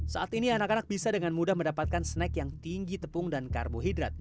saat ini anak anak bisa dengan mudah mendapatkan snack yang tinggi tepung dan karbohidrat